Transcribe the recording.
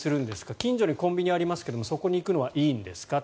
近所にコンビニがありますがそこに行くのはいいんですか？